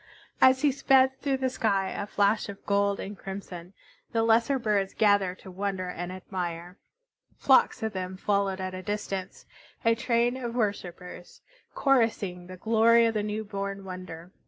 As he sped, through the sky, a flash of gold and crimson, the lesser birds gathered to wonder and admire. Flocks of them followed at a distance, a train of worshipers, chorusing the glory of the new born wonder.